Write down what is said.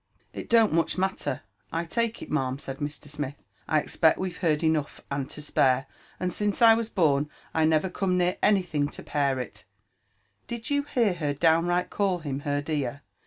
"It don't muck matter, I take it, ma'am," said Mr. Smith ;«< I expect we Ve heard enough and to spare; and since I was born» I never come near any Ihing to pair it 1 Bid you hear her downright call bun her dear